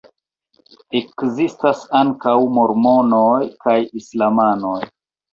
Ekzistas ankaŭ mormonoj kaj islamanoj.